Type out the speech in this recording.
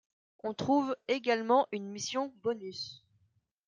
On trouve également une mission bonus.